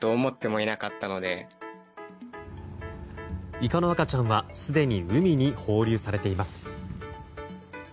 イカの赤ちゃんはすでに海に放流されています。